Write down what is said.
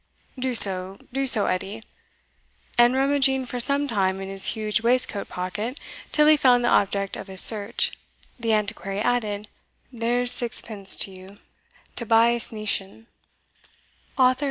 "Do so, do so, Edie;" and rummaging for some time in his huge waistcoat pocket till he found the object of his search, the Antiquary added, "there's sixpence to ye to buy sneeshin."